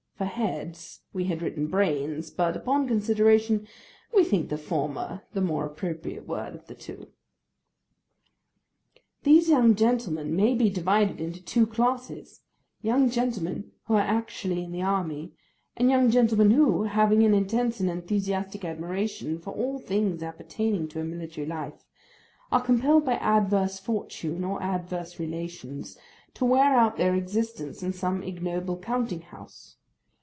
For 'heads' we had written 'brains;' but upon consideration, we think the former the more appropriate word of the two. [Picture: The Military Young Gentleman] These young gentlemen may be divided into two classes—young gentlemen who are actually in the army, and young gentlemen who, having an intense and enthusiastic admiration for all things appertaining to a military life, are compelled by adverse fortune or adverse relations to wear out their existence in some ignoble counting house.